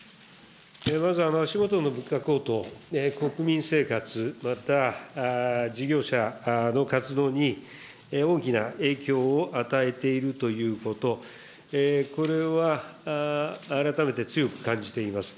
まず足下の物価高騰、国民生活、また事業者の活動に、大きな影響を与えているということ、これは、改めて強く感じています。